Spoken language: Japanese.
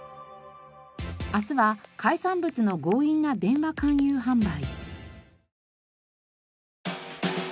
明日は海産物の強引な電話勧誘販売。